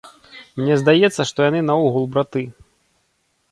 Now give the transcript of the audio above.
Мне здаецца, што яны наогул браты.